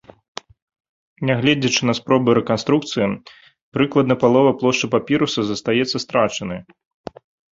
Нягледзячы на спробы рэканструкцыі, прыкладна палова плошчы папіруса застаецца страчанай.